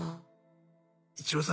イチローさん